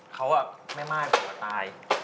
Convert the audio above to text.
เขาไม่ม่ายผัวตาย